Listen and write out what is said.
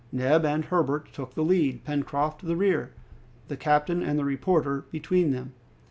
Neb and Herbert took the lead, Pencroft the rear, the captain and the reporter between them.